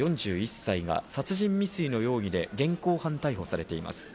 ４１歳が殺人未遂の容疑で現行犯逮捕されています。